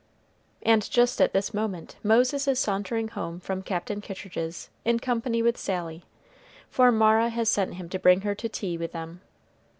And just at this moment Moses is sauntering home from Captain Kittridge's in company with Sally, for Mara has sent him to bring her to tea with them.